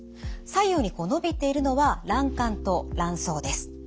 左右にのびているのは卵管と卵巣です。